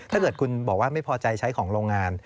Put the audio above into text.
ถ้าเกิดคุณบอกว่าไม่พอใจใช้ของโรงงาน